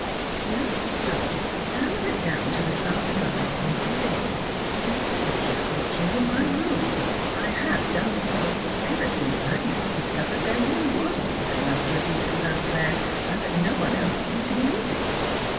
She understood that I went down to the Salle de Bain every day, instead of just washing in my room. (I have done so ever since Agnès discovered there really was water enough for a decent bath there, and that no one else seemed to use it.)